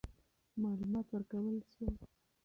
معلومات ورکول سول.